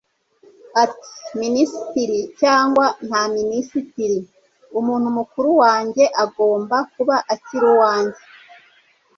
ati 'minisitiri cyangwa nta minisitiri,' umuntu mukuru wanjye agomba kuba akiri uwanjye